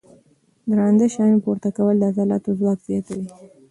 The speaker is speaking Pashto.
درانده شیان پورته کول د عضلاتو ځواک زیاتوي.